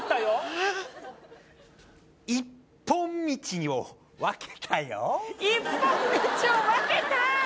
ああ一本道を分けたよ一本道を分けた！